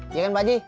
iya kan pak ji